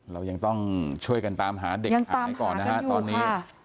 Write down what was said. เรายังต้องช่วยกันตามหาเด็กขายก่อนนะครับตอนนี้